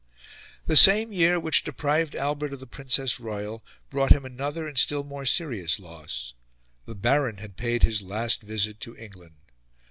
The same year which deprived Albert of the Princess Royal brought him another and a still more serious loss. The Baron had paid his last visit to England.